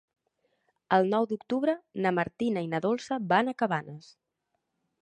El nou d'octubre na Martina i na Dolça van a Cabanes.